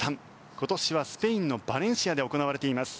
今年はスペインのバレンシアで行われています。